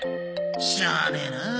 しゃあねえなあ。